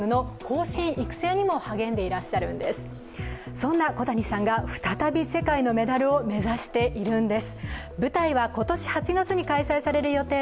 そんな小谷さんが再び世界のメダルを目指しているんです。